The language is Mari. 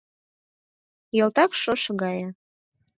Ялтак шошо гае